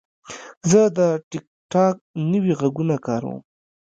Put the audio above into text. زه د ټک ټاک نوي غږونه کاروم.